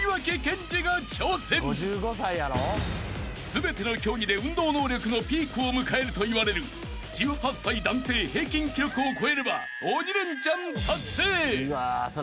［全ての競技で運動能力のピークを迎えるといわれる１８歳男性平均記録を超えれば鬼レンチャン達成］